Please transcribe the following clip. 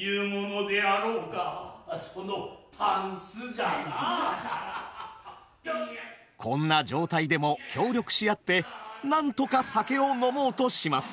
これがあのこんな状態でも協力し合ってなんとか酒を飲もうとします。